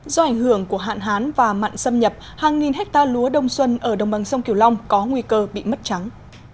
do ảnh hưởng của hạn hán và mặn xâm nhập hàng nghìn hectare lúa đông xuân ở đồng bằng sông kiều long có nguy cơ bị mất trắng